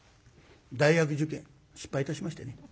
大学受験失敗いたしましてね。